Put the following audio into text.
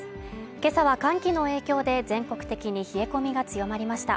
今朝は寒気の影響で全国的に冷え込みが強まりました